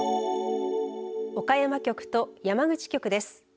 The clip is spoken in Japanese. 岡山局と山口局です。